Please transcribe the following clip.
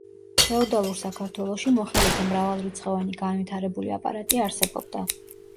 ფეოდალურ საქართველოში მოხელეთა მრავალრიცხოვანი განვითარებული აპარატი არსებობდა.